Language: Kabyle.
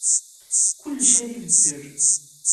Kullec ad ibeddel.